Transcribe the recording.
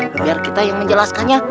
biar kita yang menjelaskannya